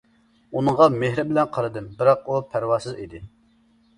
ئۇنىڭغا مېھرىم بىلەن قارىدىم، بىراق ئۇ پەرۋاسىز ئىدى.